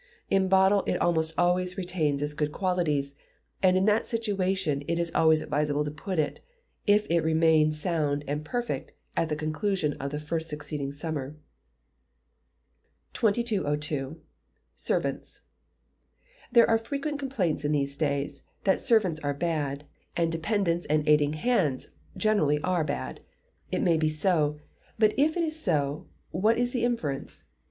In bottle it almost always retains its good qualities, and in that situation it is always advisable to put it, if it remain sound and perfect at the conclusion of the first succeeding summer. 2202. Servants. There are frequent complaints in these days, that servants are bad, and dependents and aiding hands generally are bad. It may be so. But if it is so, what is the inference?